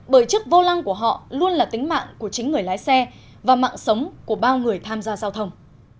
bởi chức vô lăng của họ luôn là tính mạng của chính người lái xe và mạng sống của bao người tham gia giao thông